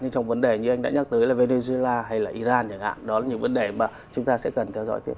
nhưng trong vấn đề như anh đã nhắc tới là venezuela hay là iran chẳng hạn đó là những vấn đề mà chúng ta sẽ cần theo dõi tiếp